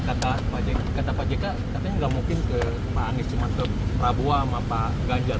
kata pak jk katanya nggak mungkin ke pak anies cuma ke prabowo sama pak ganjar